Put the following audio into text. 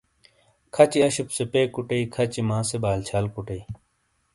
کھَچی اَشُپ سے پے کُٹئیی، کَھچی ماں سے بال چھال کُٹئیی۔